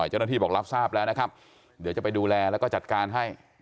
เจ้าหน้าที่บอกรับทราบแล้วนะครับเดี๋ยวจะไปดูแลแล้วก็จัดการให้